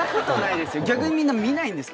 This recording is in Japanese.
逆にみんな見ないんですか？